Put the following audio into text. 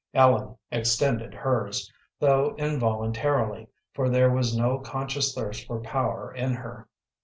Ellen extended hers, though involuntarily, for there was no conscious thirst for power in her.